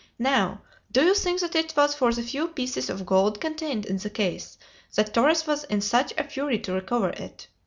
Now, do you think that it was for the few pieces of gold contained in the case that Torres was in such a fury to recover it?